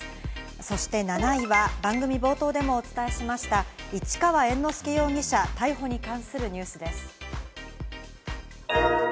そして７位は番組冒頭でもお伝えしました市川猿之助容疑者逮捕に関するニュースです。